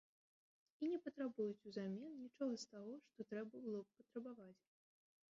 І не патрабуюць узамен нічога з таго, што трэба было б патрабаваць.